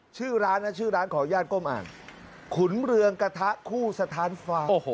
ชื่อร้านของญาติก้มอ่านขุนเรืองกระทะคู่สถารฝ่า